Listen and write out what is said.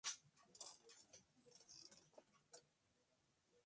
Concluye la obra con la alegría general y el bautizo del niño.